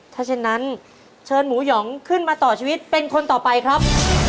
ถ้าเช่นนั้นเชิญหมูหยองขึ้นมาต่อชีวิตเป็นคนต่อไปครับ